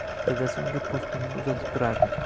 Dadasi unga poʻstinini uzatib turardi.